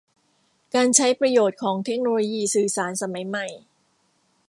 การใช้ประโยชน์ของเทคโนโลยีสื่อสารสมัยใหม่